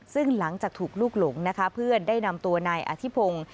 ซึ่งหลังจากถูกลูกหลงนะคะเพื่อนได้นำตัวนายอธิพงศ์